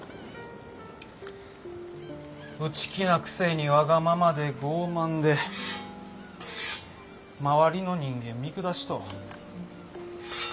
内気なくせにわがままで傲慢で周りの人間見下しとう。